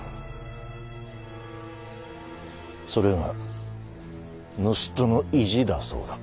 それが盗人の意地だそうだ。